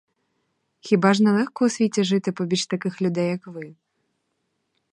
Хіба ж не легко у світі жити побіч таких людей, як ви?